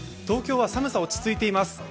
東京は寒さ、落ち着いています。